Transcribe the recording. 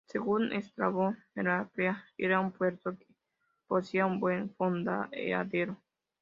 Según Estrabón, Heraclea era un puerto que poseía un buen fondeadero.